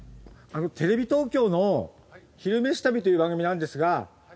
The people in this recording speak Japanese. テレビ東京の「昼めし旅」という番組なんですが。